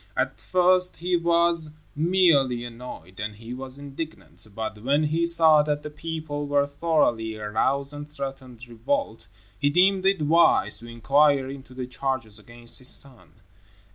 At first he was merely annoyed, then he was indignant, but when he saw that the people were thoroughly aroused and threatened revolt, he deemed it wise to inquire into the charges against his son.